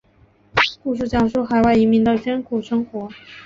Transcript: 故事讲述海外移民的艰苦生活。